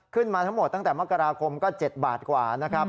ขึ้นมาทั้งหมดตั้งแต่มกราคมก็๗บาทกว่านะครับ